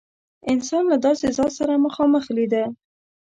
انسان له داسې ذات سره مخامخ لیده.